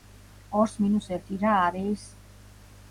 ორს მინუს ერთი რა არის?